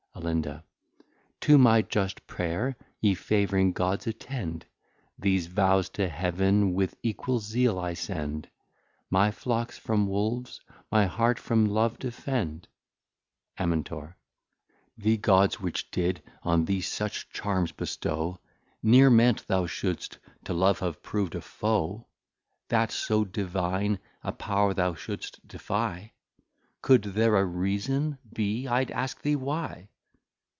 Alin. To my just Pray'r, ye favouring Gods attend, } These Vows to Heaven with equal Zeal I send, } My flocks from Wolves, my Heart from Love, defend. } Amin. The Gods which did on thee such Charms bestow, Ne're meant thou shouldst to Love have prov'd a Foe, That so Divine a Power thou shouldst defy. Could there a Reason be, I'd ask thee, why?